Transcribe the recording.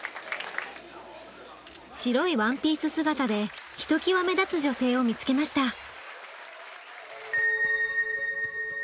白いワンピース姿でひときわ目立つ女性を見つけました。